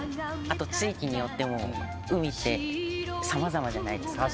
あと地域によっても海ってさまざまじゃないですか。